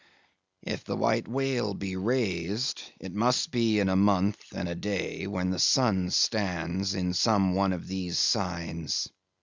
"If the White Whale be raised, it must be in a month and a day, when the sun stands in some one of these signs.